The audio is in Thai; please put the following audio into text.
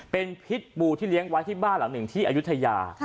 เป็นพิษบูที่เลี้ยงไว้ที่บ้านหลังหนึ่งที่อายุทยา